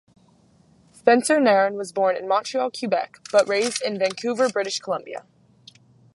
Spencer-Nairn was born in Montreal, Quebec, but raised in Vancouver, British Columbia.